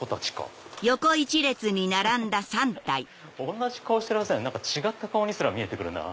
同じ顔してるはずなのに違った顔にすら見えて来るなぁ。